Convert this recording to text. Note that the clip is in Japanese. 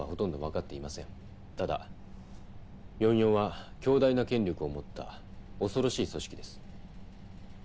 ただ４４は強大な権力を持った恐ろしい組織です。